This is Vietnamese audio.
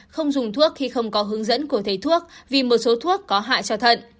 không dùng thuốc khi không có hướng dẫn của thầy thuốc vì một số thuốc có hại cho thận